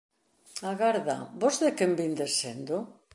Agarda, vós de quen vindes sendo?